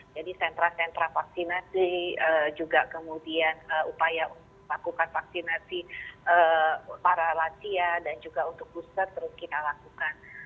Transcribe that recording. jadi sentra sentra vaksinasi juga kemudian upaya untuk melakukan vaksinasi para lansia dan juga untuk booster terus kita lakukan